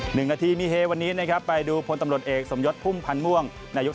หนึ่งนาทีมีเฮวันนี้นะครับไปดูพลตำรวจเอกสมยศพุ่มพันธ์ม่วงนายก